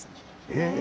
へえ。